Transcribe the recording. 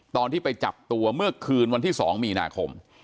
ตอนที่ไปจับตัวเมื่อคืนวันที่๒มีนาคม